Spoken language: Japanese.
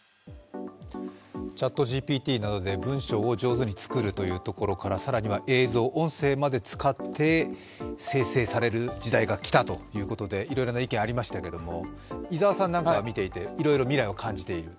ＣｈａｔＧＰＴなどで文章を上手に作るというところから更には映像、音声まで使って生成される時代がきたということでいろいろな意見ありましたけども伊沢さん、見ていていろいろ未来を感じている？